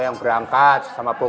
hai menarik dengan